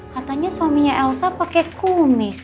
katanya suaminya elsa pakai kumis